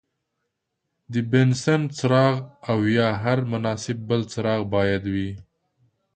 د بنسن څراغ او یا هر مناسب بل څراغ باید وي.